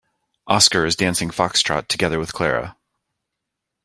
Oscar is dancing foxtrot together with Clara.